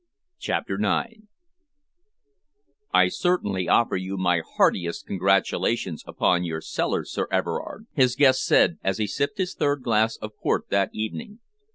CHAPTER IX "I certainly offer you my heartiest congratulations upon your cellars, Sir Everard," his guest said, as he sipped his third glass of port that evening.